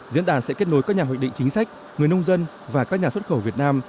diễn đàn sẽ kết nối các nhà hoạch định chính sách người nông dân và các nhà xuất khẩu việt nam